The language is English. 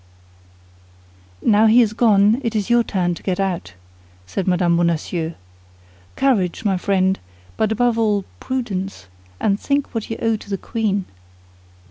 "Now he is gone, it is your turn to get out," said Mme. Bonacieux. "Courage, my friend, but above all, prudence, and think what you owe to the queen."